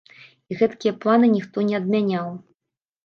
І гэткія планы ніхто не адмяняў.